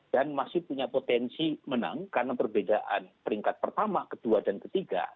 dan masih punya potensi menang karena perbedaan peringkat pertama kedua dan ketiga